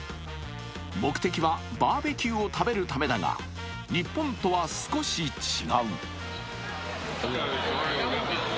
目的はバーベキューを食べるためだが日本とは少し違う。